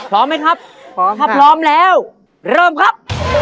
ร้องไหมครับพร้อมแล้วเริ่มครับ